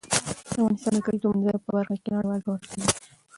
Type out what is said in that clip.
افغانستان د د کلیزو منظره په برخه کې نړیوال شهرت لري.